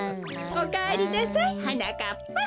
おかえりなさいはなかっぱ。